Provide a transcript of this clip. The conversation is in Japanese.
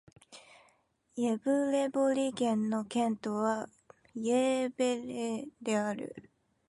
イェヴレボリ県の県都はイェーヴレである